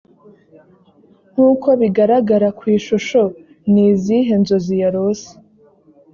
nk’uko bigaragara ku ishusho ni izihe nzozi yarose‽